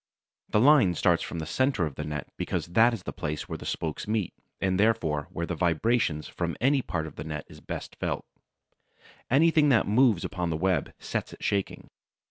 The line starts from the center of the net because that is the place where the spokes meet and therefore where the vibration from any part of the net is best felt. Anything that moves upon the web sets it shaking.